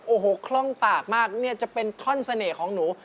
โอ้โหคล่องปากมากเนี่ยจะเป็นท่อนเสน่ห์ของหนู